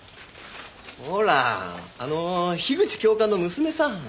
ほらあの樋口教官の娘さん。